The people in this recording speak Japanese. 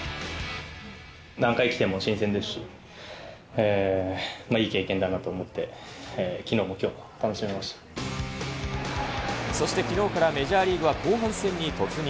何回来ても新鮮ですし、いい経験だなと思って、そしてきのうからメジャーリーグは後半戦に突入。